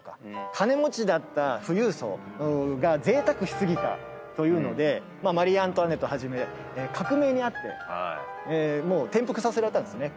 金持ちだった富裕層がぜいたくし過ぎたというのでマリー・アントワネットはじめ革命にあって転覆させられたんですね